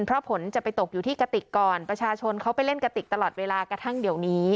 เพราะผลจะไปตกอยู่ที่กระติกก่อนประชาชนเขาไปเล่นกะติกตลอดเวลากระทั่งเดี๋ยวนี้